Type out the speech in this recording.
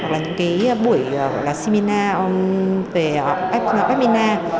hoặc là những buổi seminar về fnr